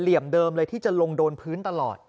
เหลี่ยมเดิมเลยที่จะลงโดนพื้นตลอด